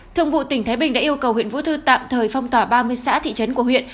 thường vụ tỉnh thái bình đã yêu cầu huyện vũ thư tạm thời phong tỏa ba mươi xã thị trấn của huyện